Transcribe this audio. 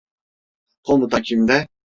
Komuta kimde?